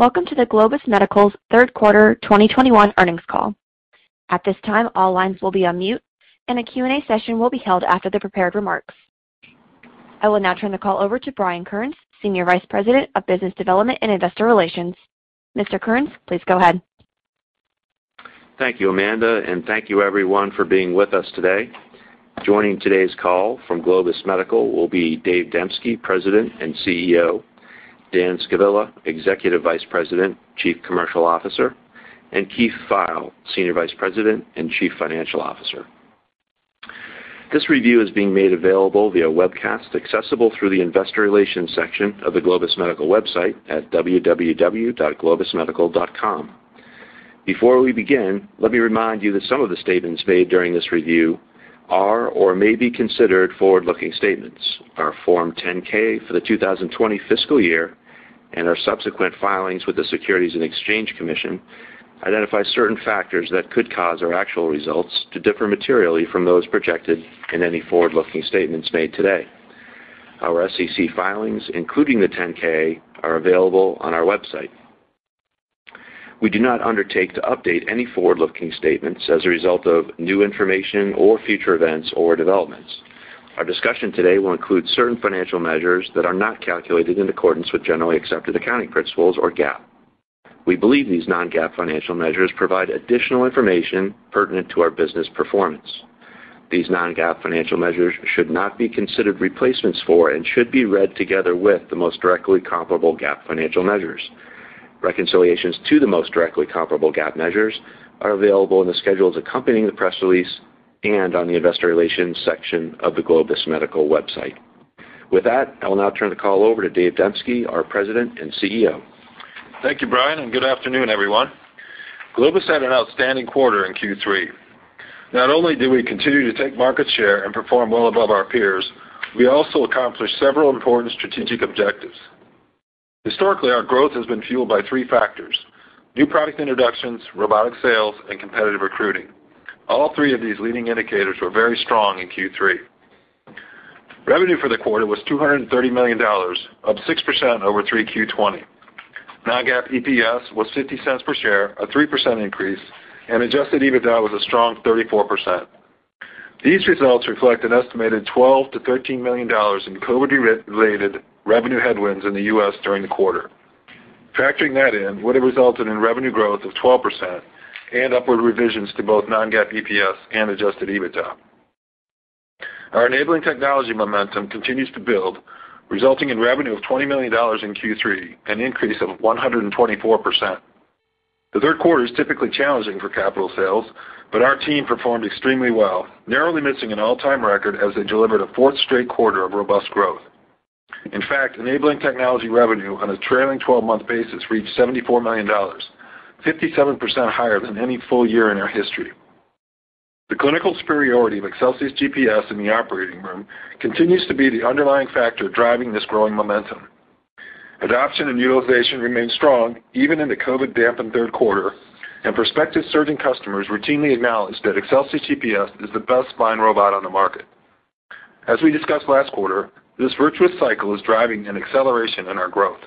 Welcome to Globus Medical's third quarter 2021 earnings call. At this time, all lines will be on mute and a Q&A session will be held after the prepared remarks. I will now turn the call over to Brian Kearns, Senior Vice President of Business Development and Investor Relations. Mr. Kearns, please go ahead. Thank you, Amanda, and thank you everyone for being with us today. Joining today's call from Globus Medical will be Dave Demski, President and CEO, Dan Scavilla, Executive Vice President, Chief Commercial Officer, and Keith Pfeil, Senior Vice President and Chief Financial Officer. This review is being made available via webcast, accessible through the investor relations section of the Globus Medical website at www.globusmedical.com. Before we begin, let me remind you that some of the statements made during this review are or may be considered forward-looking statements. Our Form 10-K for the 2020 fiscal year and our subsequent filings with the Securities and Exchange Commission identify certain factors that could cause our actual results to differ materially from those projected in any forward-looking statements made today. Our SEC filings, including the 10-K, are available on our website. We do not undertake to update any forward-looking statements as a result of new information or future events or developments. Our discussion today will include certain financial measures that are not calculated in accordance with generally accepted accounting principles or GAAP. We believe these non-GAAP financial measures provide additional information pertinent to our business performance. These non-GAAP financial measures should not be considered replacements for and should be read together with the most directly comparable GAAP financial measures. Reconciliations to the most directly comparable GAAP measures are available in the schedules accompanying the press release and on the investor relations section of the Globus Medical website. With that, I will now turn the call over to Dave Demski, our President and CEO. Thank you, Brian, and good afternoon, everyone. Globus had an outstanding quarter in Q3. Not only did we continue to take market share and perform well above our peers, we also accomplished several important strategic objectives. Historically, our growth has been fueled by three factors: new product introductions, robotic sales, and competitive recruiting. All three of these leading indicators were very strong in Q3. Revenue for the quarter was $230 million, up 6% over 3Q20. non-GAAP EPS was $0.50 per share, a 3% increase, and adjusted EBITDA was a strong 34%. These results reflect an estimated $12 million-$13 million in COVID-related revenue headwinds in the U.S. during the quarter. Factoring that in would have resulted in revenue growth of 12% and upward revisions to both non-GAAP EPS and adjusted EBITDA. Our Enabling Technologies momentum continues to build, resulting in revenue of $20 million in Q3, an increase of 124%. The third quarter is typically challenging for capital sales, but our team performed extremely well, narrowly missing an all-time record as they delivered a fourth straight quarter of robust growth. In fact, Enabling Technologies revenue on a trailing twelve-month basis reached $74 million, 57% higher than any full year in our history. The clinical superiority of ExcelsiusGPS in the operating room continues to be the underlying factor driving this growing momentum. Adoption and utilization remains strong even in the COVID-dampened third quarter, and prospective surgeon customers routinely acknowledge that ExcelsiusGPS is the best spine robot on the market. As we discussed last quarter, this virtuous cycle is driving an acceleration in our growth.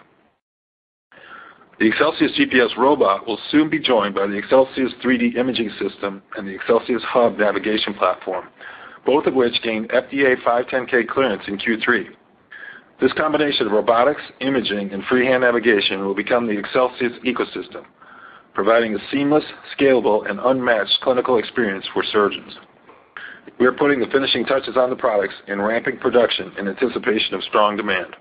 The ExcelsiusGPS robot will soon be joined by the Excelsius3D imaging system and the ExcelsiusHub navigation platform, both of which gained FDA 510(k) clearance in Q3. This combination of robotics, imaging, and freehand navigation will become the Excelsius ecosystem, providing a seamless, scalable, and unmatched clinical experience for surgeons. We are putting the finishing touches on the products and ramping production in anticipation of strong demand.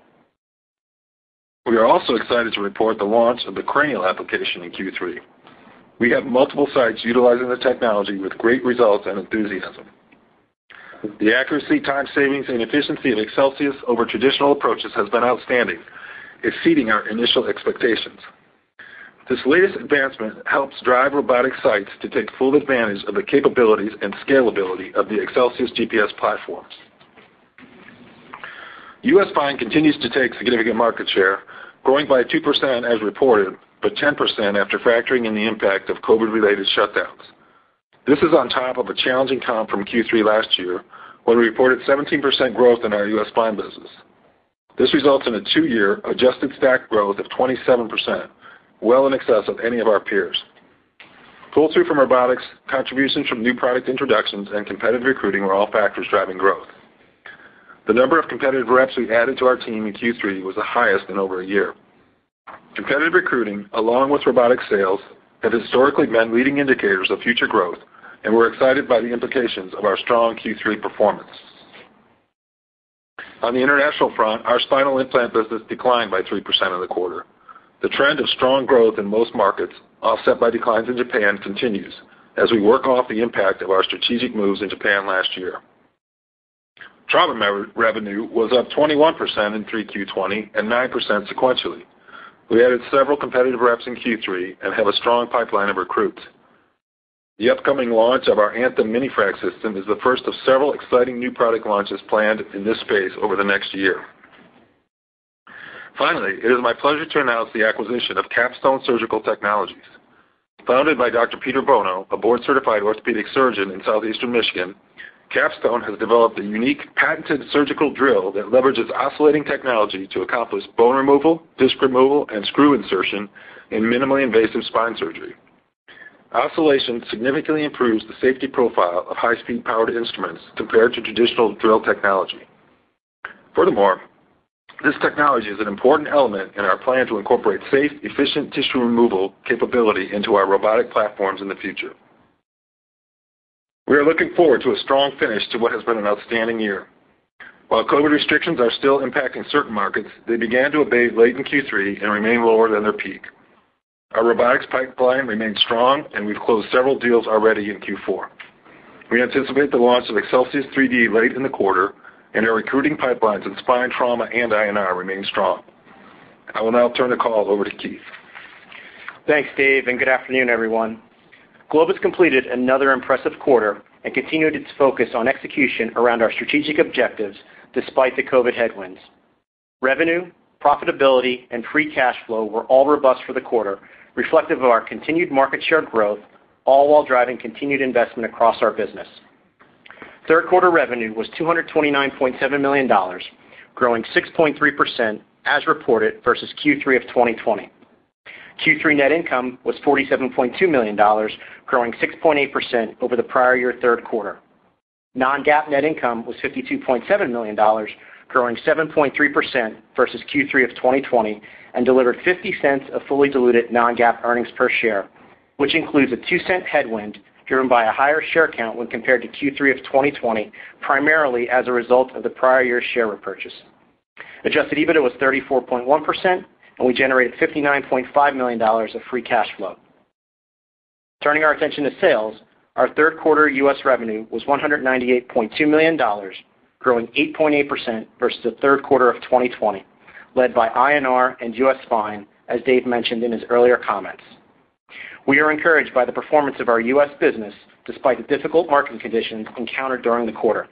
We are also excited to report the launch of the cranial application in Q3. We have multiple sites utilizing the technology with great results and enthusiasm. The accuracy, time savings, and efficiency of Excelsius over traditional approaches has been outstanding, exceeding our initial expectations. This latest advancement helps drive robotic sites to take full advantage of the capabilities and scalability of the ExcelsiusGPS platforms. U.S. Spine continues to take significant market share, growing by 2% as reported, but 10% after factoring in the impact of COVID-related shutdowns. This is on top of a challenging comp from Q3 last year, when we reported 17% growth in our U.S. spine business. This results in a two-year adjusted stack growth of 27%, well in excess of any of our peers. Pull-through from robotics, contributions from new product introductions, and competitive recruiting were all factors driving growth. The number of competitive reps we added to our team in Q3 was the highest in over a year. Competitive recruiting, along with robotic sales, have historically been leading indicators of future growth, and we're excited by the implications of our strong Q3 performance. On the international front, our spinal implant business declined by 3% in the quarter. The trend of strong growth in most markets, offset by declines in Japan, continues as we work off the impact of our strategic moves in Japan last year. Trauma revenue was up 21% in Q3 2020, and 9% sequentially. We added several competitive reps in Q3 and have a strong pipeline of recruits. The upcoming launch of our ANTHEM Mini Fragment system is the first of several exciting new product launches planned in this space over the next year. Finally, it is my pleasure to announce the acquisition of Capstone Surgical Technologies. Founded by Dr. Peter Bono, a board-certified orthopedic surgeon in Southeastern Michigan, Capstone has developed a unique patented surgical drill that leverages oscillating technology to accomplish bone removal, disc removal, and screw insertion in minimally invasive spine surgery. Oscillation significantly improves the safety profile of high-speed powered instruments compared to traditional drill technology. Furthermore, this technology is an important element in our plan to incorporate safe, efficient tissue removal capability into our robotic platforms in the future. We are looking forward to a strong finish to what has been an outstanding year. While COVID restrictions are still impacting certain markets, they began to abate late in Q3 and remain lower than their peak. Our robotics pipeline remains strong, and we've closed several deals already in Q4. We anticipate the launch of Excelsius3D late in the quarter, and our recruiting pipelines in spine trauma and INR remain strong. I will now turn the call over to Keith. Thanks, Dave, and good afternoon, everyone. Globus completed another impressive quarter and continued its focus on execution around our strategic objectives despite the COVID headwinds. Revenue, profitability, and free cash flow were all robust for the quarter, reflective of our continued market share growth, all while driving continued investment across our business. Third quarter revenue was $229.7 million, growing 6.3% as reported versus Q3 of 2020. Q3 net income was $47.2 million, growing 6.8% over the prior year third quarter. Non-GAAP net income was $52.7 million, growing 7.3% versus Q3 of 2020 and delivered $0.50 of fully diluted non-GAAP earnings per share, which includes a $0.02 headwind driven by a higher share count when compared to Q3 of 2020, primarily as a result of the prior year's share repurchase. Adjusted EBITDA was 34.1%, and we generated $59.5 million of free cash flow. Turning our attention to sales, our third quarter U.S. revenue was $198.2 million, growing 8.8% versus the third quarter of 2020, led by INR and U.S. Spine, as Dave mentioned in his earlier comments. We are encouraged by the performance of our U.S. business despite the difficult market conditions encountered during the quarter.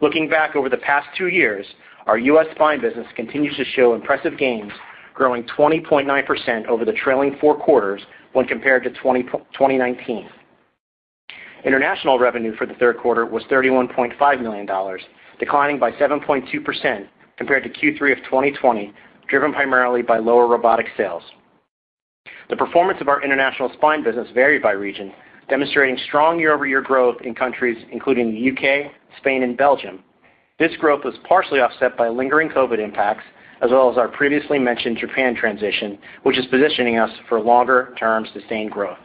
Looking back over the past two years, our U.S. Spine business continues to show impressive gains, growing 20.9% over the trailing four quarters when compared to 2019. International revenue for the third quarter was $31.5 million, declining by 7.2% compared to Q3 of 2020, driven primarily by lower robotic sales. The performance of our international spine business varied by region, demonstrating strong year-over-year growth in countries including the U.K., Spain, and Belgium. This growth was partially offset by lingering COVID impacts, as well as our previously mentioned Japan transition, which is positioning us for longer-term sustained growth.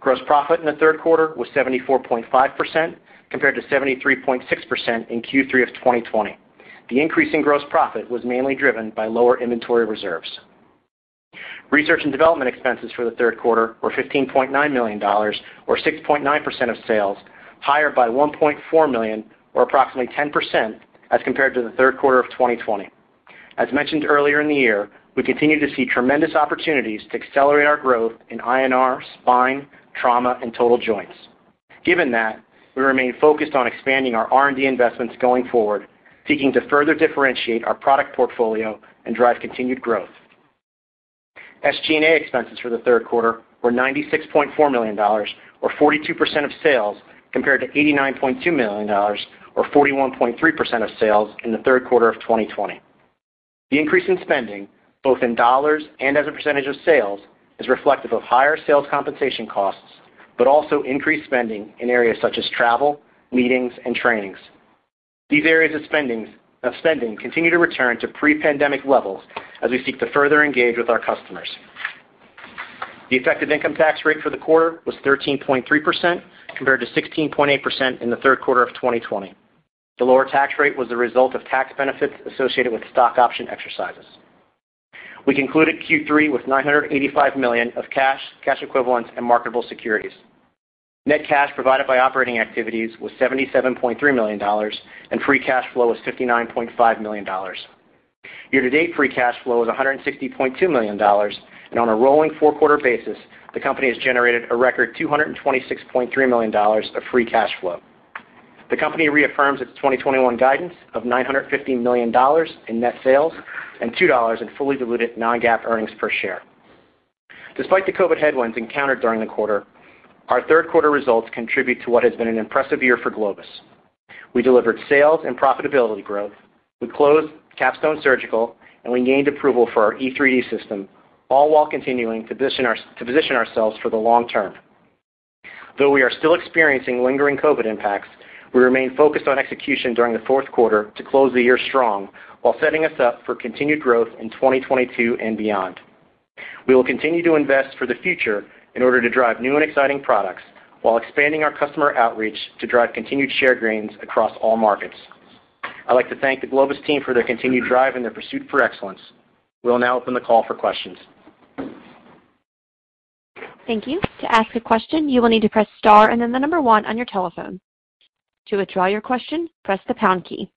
Gross profit in the third quarter was 74.5% compared to 73.6% in Q3 of 2020. The increase in gross profit was mainly driven by lower inventory reserves. Research and development expenses for the third quarter were $15.9 million or 6.9% of sales, higher by $1.4 million or approximately 10% as compared to the third quarter of 2020. As mentioned earlier in the year, we continue to see tremendous opportunities to accelerate our growth in INR, spine, trauma, and total joints. Given that, we remain focused on expanding our R&D investments going forward, seeking to further differentiate our product portfolio and drive continued growth. SG&A expenses for the third quarter were $96.4 million or 42% of sales compared to $89.2 million or 41.3% of sales in the third quarter of 2020. The increase in spending, both in dollars and as a percentage of sales, is reflective of higher sales compensation costs, but also increased spending in areas such as travel, meetings, and trainings. These areas of spending continue to return to pre-pandemic levels as we seek to further engage with our customers. The effective income tax rate for the quarter was 13.3% compared to 16.8% in the third quarter of 2020. The lower tax rate was the result of tax benefits associated with stock option exercises. We concluded Q3 with $985 million of cash equivalents, and marketable securities. Net cash provided by operating activities was $77.3 million, and free cash flow was $59.5 million. Year-to-date free cash flow is $160.2 million, and on a rolling four-quarter basis, the company has generated a record $226.3 million of free cash flow. The company reaffirms its 2021 guidance of $915 million in net sales and $2 in fully diluted non-GAAP earnings per share. Despite the COVID headwinds encountered during the quarter, our third quarter results contribute to what has been an impressive year for Globus. We delivered sales and profitability growth. We closed Capstone Surgical, and we gained approval for our E3D system, all while continuing to position ourselves for the long term. Though we are still experiencing lingering COVID impacts, we remain focused on execution during the fourth quarter to close the year strong while setting us up for continued growth in 2022 and beyond. We will continue to invest for the future in order to drive new and exciting products while expanding our customer outreach to drive continued share gains across all markets. I'd like to thank the Globus team for their continued drive and their pursuit for excellence. We'll now open the call for questions. Thank you. To ask a question, you will need to press star and then 1 on your telephone. To withdraw your question, press the pound key.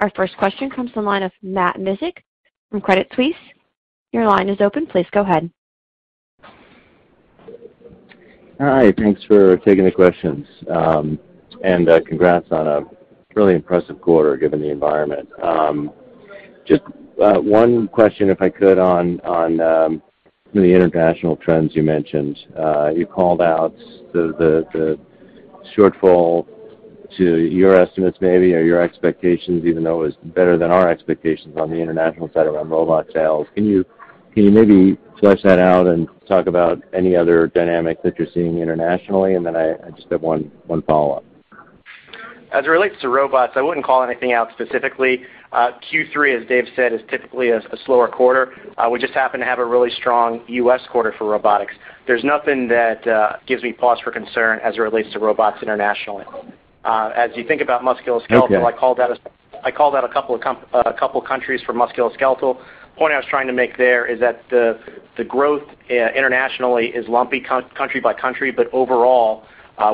Our first question comes from the line of Matt Miksic from Credit Suisse. Your line is open. Please go ahead. Hi, thanks for taking the questions. Congrats on a really impressive quarter given the environment. Just one question if I could on the international trends you mentioned. You called out the shortfall to your estimates maybe or your expectations even though it was better than our expectations on the international side around robot sales. Can you maybe flesh that out and talk about any other dynamic that you're seeing internationally? I just have one follow-up. As it relates to robots, I wouldn't call anything out specifically. Q3, as Dave said, is typically a slower quarter. We just happen to have a really strong U.S. quarter for robotics. There's nothing that gives me pause for concern as it relates to robots internationally. As you think about musculoskeletal Okay. I called out a couple of countries for musculoskeletal. The point I was trying to make there is that the growth internationally is lumpy country by country. Overall,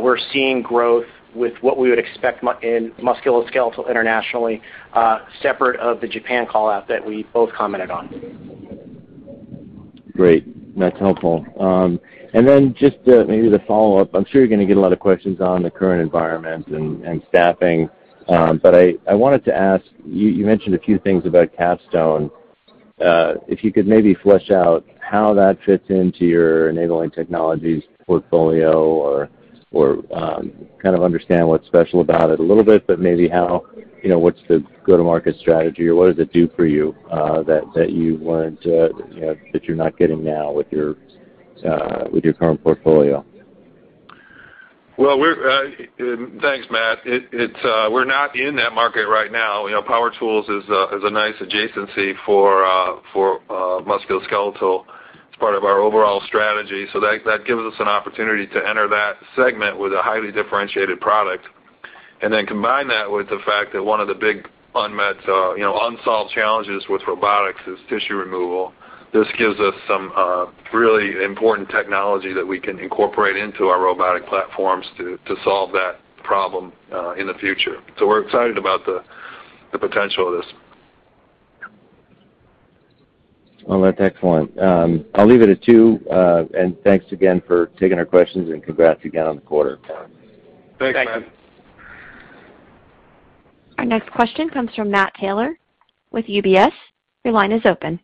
we're seeing growth with what we would expect in musculoskeletal internationally, separate of the Japan call-out that we both commented on. Great. That's helpful. Just maybe the follow-up. I'm sure you're gonna get a lot of questions on the current environment and staffing. I wanted to ask, you mentioned a few things about Capstone. If you could maybe flesh out how that fits into your Enabling Technologies portfolio or kind of understand what's special about it a little bit, but maybe how, you know, what's the go-to-market strategy or what does it do for you, that you want to, you know, that you're not getting now with your current portfolio? Well, thanks, Matt. We're not in that market right now. You know, power tools is a nice adjacency for musculoskeletal. It's part of our overall strategy. That gives us an opportunity to enter that segment with a highly differentiated product. Then combine that with the fact that one of the big unmet, you know, unsolved challenges with robotics is tissue removal. This gives us some really important technology that we can incorporate into our robotic platforms to solve that problem in the future. We're excited about the potential of this. Well, that's excellent. I'll leave it at two. Thanks again for taking our questions, and congrats again on the quarter. Thanks, Matt. Thank you. Our next question comes from Matt Taylor with UBS. Your line is open.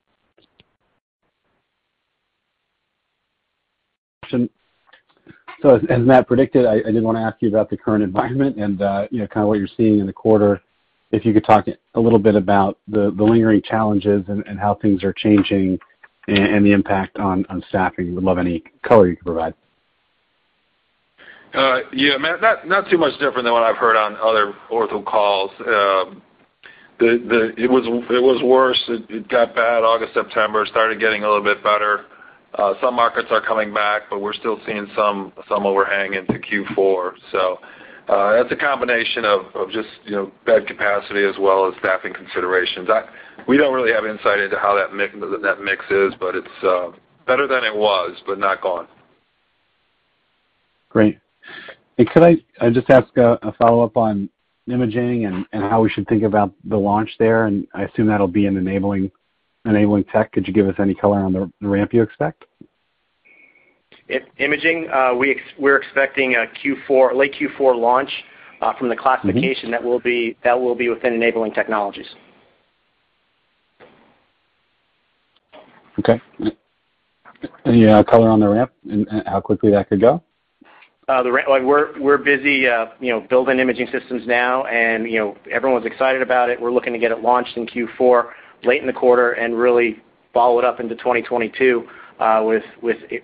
As Matt predicted, I did want to ask you about the current environment and, you know, kind of what you're seeing in the quarter. If you could talk a little bit about the lingering challenges and how things are changing and the impact on staffing. Would love any color you can provide. Yeah, Matt, not too much different than what I've heard on other ortho calls. It was worse. It got bad August, September. Started getting a little bit better. Some markets are coming back, but we're still seeing some overhang into Q4. That's a combination of just, you know, bed capacity as well as staffing considerations. We don't really have insight into how that mix, the net mix is, but it's better than it was, but not gone. Great. Could I just ask a follow-up on imaging and how we should think about the launch there? I assume that'll be an Enabling tech. Could you give us any color on the ramp you expect? Imaging, we're expecting a Q4, late Q4 launch from the classification. Mm-hmm. That will be within Enabling Technologies. Okay. Any color on the ramp and how quickly that could go? We're busy, you know, building imaging systems now, and, you know, everyone's excited about it. We're looking to get it launched in Q4, late in the quarter, and really follow it up into 2022, with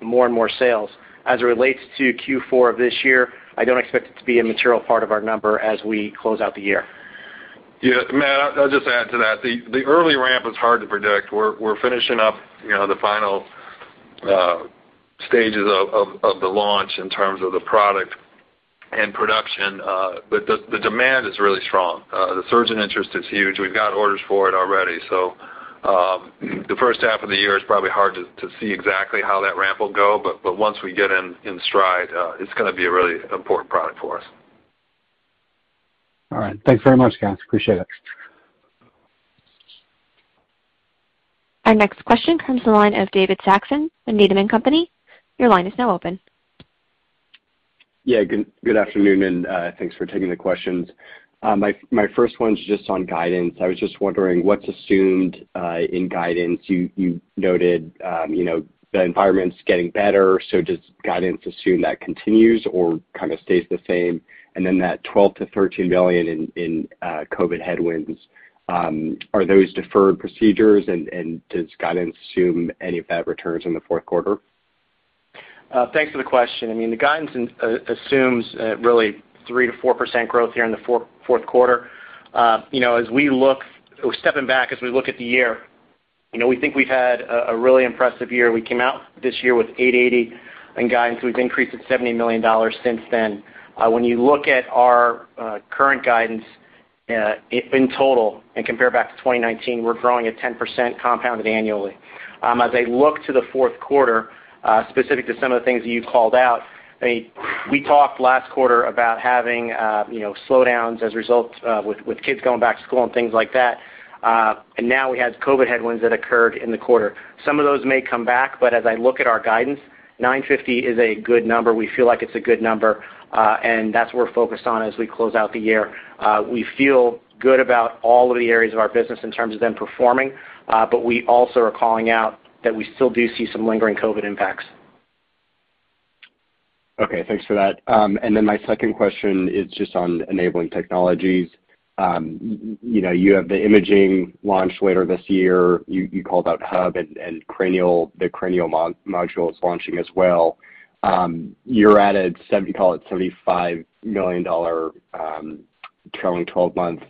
more and more sales. As it relates to Q4 of this year, I don't expect it to be a material part of our number as we close out the year. Yeah. Matt, I'll just add to that. The early ramp is hard to predict. We're finishing up, you know, the final stages of the launch in terms of the product and production. But the demand is really strong. The surgeon interest is huge. We've got orders for it already. The first half of the year is probably hard to see exactly how that ramp will go, but once we get in stride, it's gonna be a really important product for us. All right. Thanks very much, guys. Appreciate it. Our next question comes from the line of David Saxon from Needham & Company. Your line is now open. Yeah. Good afternoon, and thanks for taking the questions. My first one's just on guidance. I was just wondering what's assumed in guidance. You noted, you know, the environment's getting better, so does guidance assume that continues or kind of stays the same? And then that $12 million-$13 million in COVID headwinds are those deferred procedures, and does guidance assume any of that returns in the fourth quarter? Thanks for the question. I mean, the guidance assumes really 3%-4% growth here in the fourth quarter. You know, stepping back as we look at the year, you know, we think we've had a really impressive year. We came out this year with $0.88 in guidance. We've increased it $70 million since then. When you look at our current guidance in total and compare back to 2019, we're growing at 10% compounded annually. As I look to the fourth quarter, specific to some of the things you called out, I mean, we talked last quarter about having you know, slowdowns as a result with kids going back to school and things like that. Now we had COVID headwinds that occurred in the quarter. Some of those may come back, but as I look at our guidance, $950 is a good number. We feel like it's a good number, and that's what we're focused on as we close out the year. We feel good about all of the areas of our business in terms of them performing, but we also are calling out that we still do see some lingering COVID impacts. Okay. Thanks for that. My second question is just on Enabling Technologies. You know, you have the imaging launch later this year. You called out Hub and cranial—the cranial module is launching as well. You're at a seventy, call it $75 million trailing twelve-month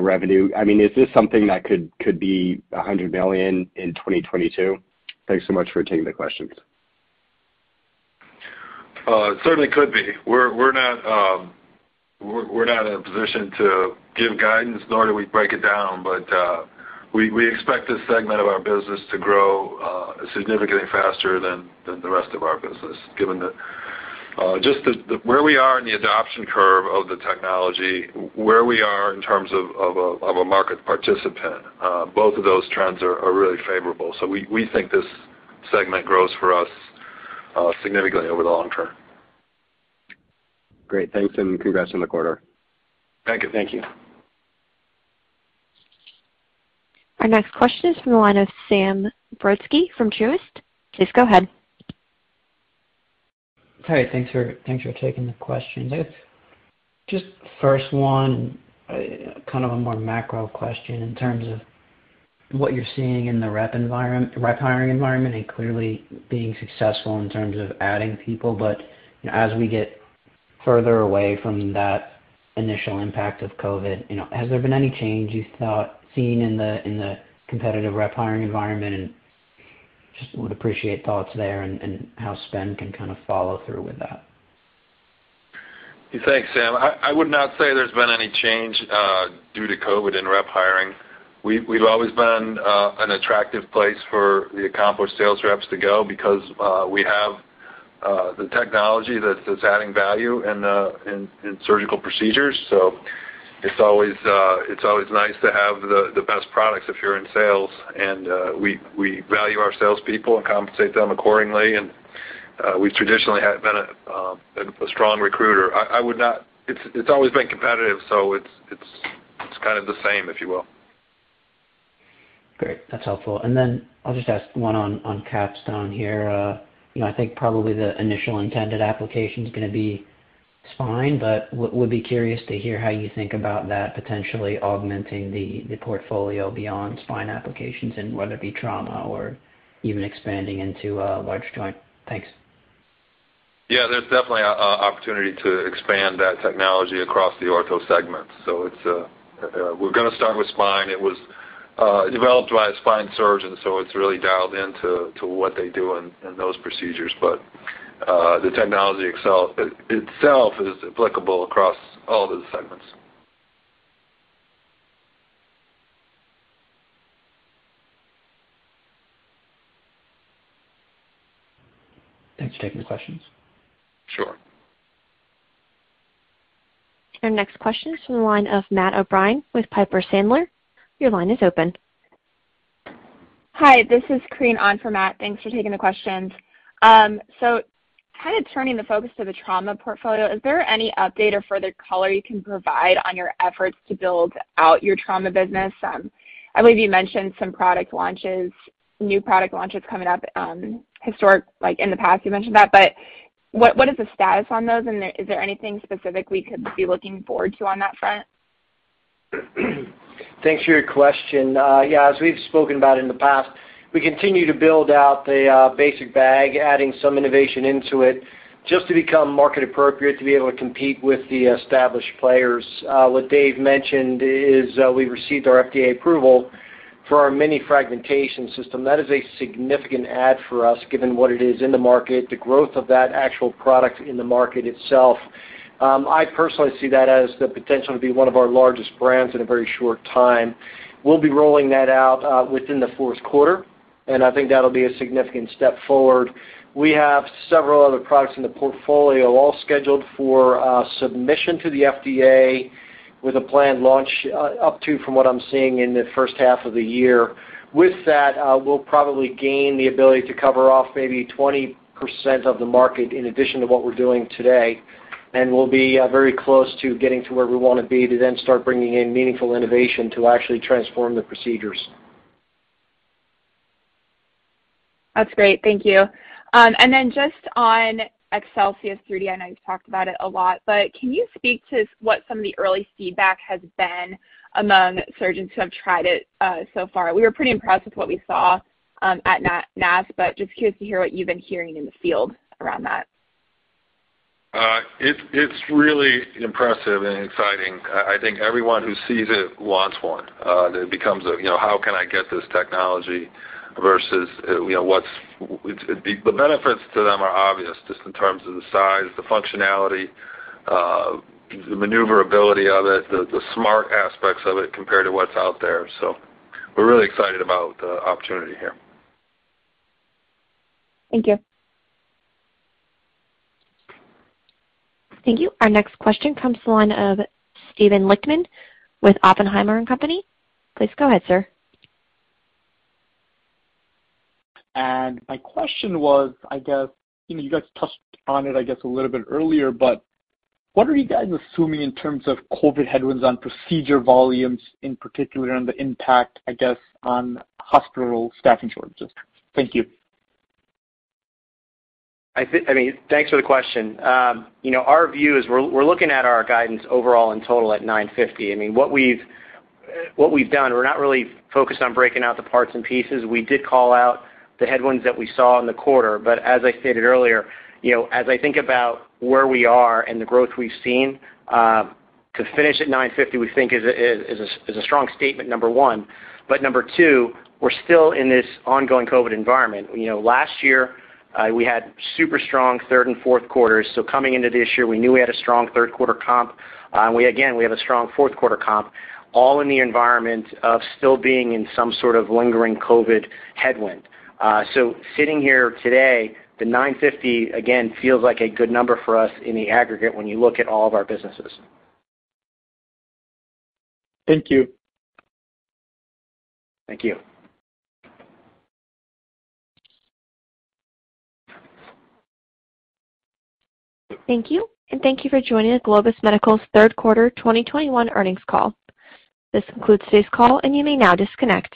revenue. I mean, is this something that could be $100 million in 2022? Thanks so much for taking the questions. Certainly could be. We're not in a position to give guidance, nor do we break it down, but we expect this segment of our business to grow significantly faster than the rest of our business, given just where we are in the adoption curve of the technology, where we are in terms of a market participant. Both of those trends are really favorable. We think this segment grows for us significantly over the long term. Great. Thanks, and congrats on the quarter. Thank you. Thank you. Our next question is from the line of Richard Newitter from Truist. Please go ahead. Hey, thanks for taking the question. Dave, just first one, kind of a more macro question in terms of what you're seeing in the rep hiring environment and clearly being successful in terms of adding people. As we get further away from that initial impact of COVID, you know, has there been any change you've seen in the competitive rep hiring environment, and just would appreciate thoughts there and how spend can kind of follow through with that. Thanks, Sam. I would not say there's been any change due to COVID in rep hiring. We've always been an attractive place for the accomplished sales reps to go because we have the technology that's adding value in surgical procedures. It's always nice to have the best products if you're in sales. We value our sales people and compensate them accordingly. We've traditionally been a strong recruiter. It's always been competitive, so it's kind of the same, if you will. Great. That's helpful. I'll just ask one on Capstone here. You know, I think probably the initial intended application is gonna be spine, but would be curious to hear how you think about that potentially augmenting the portfolio beyond spine applications and whether it be trauma or even expanding into large joint. Thanks. Yeah. There's definitely a opportunity to expand that technology across the ortho segment. We're gonna start with spine. It was developed by a spine surgeon, so it's really dialed into what they do in those procedures. The technology itself is applicable across all of the segments. Thanks for taking the questions. Sure. Our next question is from the line of Matt O'Brien with Piper Sandler. Your line is open. Hi, this is Corinne on for Matt. Thanks for taking the questions. Kind of turning the focus to the trauma portfolio, is there any update or further color you can provide on your efforts to build out your trauma business? I believe you mentioned some product launches, new product launches coming up. Historically, like in the past you mentioned that, but what is the status on those and is there anything specific we could be looking forward to on that front? Thanks for your question. Yeah, as we've spoken about in the past, we continue to build out the basic bag, adding some innovation into it just to become market appropriate, to be able to compete with the established players. What Dave mentioned is we received our FDA approval for our Mini Fragment system. That is a significant add for us, given what it is in the market, the growth of that actual product in the market itself. I personally see that as the potential to be one of our largest brands in a very short time. We'll be rolling that out within the fourth quarter, and I think that'll be a significant step forward. We have several other products in the portfolio all scheduled for submission to the FDA with a planned launch up to, from what I'm seeing, in the first half of the year. With that, we'll probably gain the ability to cover off maybe 20% of the market in addition to what we're doing today, and we'll be very close to getting to where we wanna be to then start bringing in meaningful innovation to actually transform the procedures. That's great. Thank you. Just on Excelsius3D, I know you've talked about it a lot, but can you speak to what some of the early feedback has been among surgeons who have tried it, so far? We were pretty impressed with what we saw at NASS, but just curious to hear what you've been hearing in the field around that. It's really impressive and exciting. I think everyone who sees it wants one. It becomes, you know, how can I get this technology versus, you know, the benefits to them are obvious just in terms of the size, the functionality, the maneuverability of it, the smart aspects of it compared to what's out there. We're really excited about the opportunity here. Thank you. Thank you. Our next question comes from the line of Steven Lichtman with Oppenheimer & Co. Inc. Please go ahead, sir. My question was, I guess, you know, you guys touched on it, I guess, a little bit earlier, but what are you guys assuming in terms of COVID headwinds on procedure volumes, in particular on the impact, I guess, on hospital staffing shortages? Thank you. I mean, thanks for the question. You know, our view is we're looking at our guidance overall in total at $950. I mean, what we've done, we're not really focused on breaking out the parts and pieces. We did call out the headwinds that we saw in the quarter. As I stated earlier, you know, as I think about where we are and the growth we've seen, to finish at $950, we think is a strong statement, number one. Number two, we're still in this ongoing COVID environment. You know, last year, we had super strong third and fourth quarters, so coming into this year, we knew we had a strong third quarter comp, and we again have a strong fourth quarter comp, all in the environment of still being in some sort of lingering COVID headwind. Sitting here today, the $9.50, again, feels like a good number for us in the aggregate when you look at all of our businesses. Thank you. Thank you. Thank you, and thank you for joining Globus Medical's third quarter 2021 earnings call. This concludes today's call, and you may now disconnect.